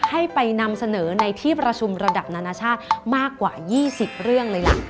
ให้ไปนำเสนอในที่ประชุมระดับนานาชาติมากกว่า๒๐เรื่องเลยล่ะ